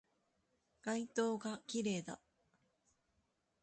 街灯が綺麗だ